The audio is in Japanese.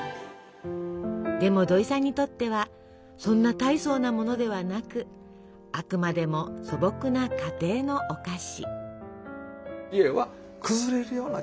でも土井さんにとってはそんな大層なものではなくあくまでも素朴な家庭のお菓子。